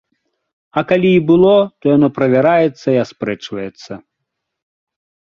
А калі і было, то яно правяраецца і аспрэчваецца.